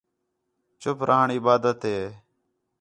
چُپ رہݨ عبادت ہے